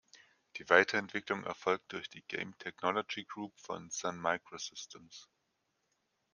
Die Weiterentwicklung erfolgt durch die Game Technology Group von Sun Microsystems.